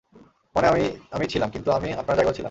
মানে, আমি আমিই ছিলাম, কিন্তু আমি আপনার জায়গায়ও ছিলাম।